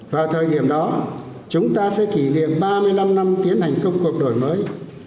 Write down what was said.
vào thời điểm đó chúng ta sẽ kỷ niệm ba mươi năm năm tiến hành công cuộc đổi mới